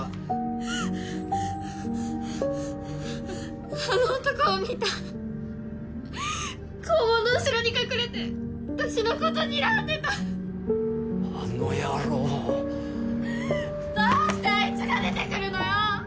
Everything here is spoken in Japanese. ハァハァあの男を見た校門の後ろに隠れて私のことにらんでたあの野郎どうしてあいつが出て来るのよ！